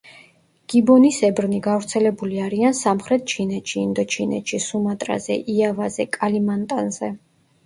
გიბონისებრნი გავრცელებული არიან სამხრეთ ჩინეთში, ინდოჩინეთში, სუმატრაზე, იავაზე, კალიმანტანზე.